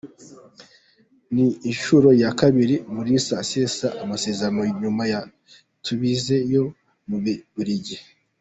Ni inshuro ya kabiri, Mulisa asesa amasezerano nyuma ya Tubize yo mu Bubiligi.